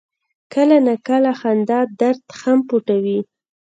کله ناکله خندا درد هم پټوي.